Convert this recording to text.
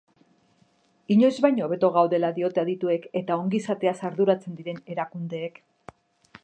Inoiz baino hobeto gaudela diote adituek eta ongizateaz arduratzen diren erakundeek.